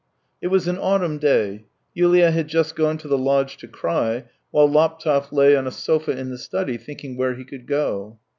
It was an autumn day. Yulia had just gone to the lodge to cry, while Laptev lay on a sofa in the study thinking where he could go.